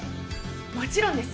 もちろんです！